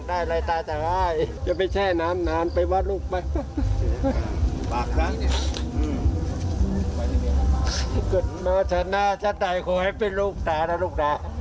หลับใจเชียวโทษนะครับว่านะสะดายโคเฮปปปี้ลูกสานะลุกนี้